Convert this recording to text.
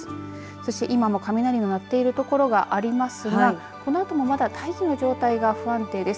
そして今も雷が鳴ってるところがありますがこのあともまだ大気の状態が不安定です。